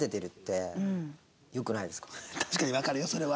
確かにわかるよそれは。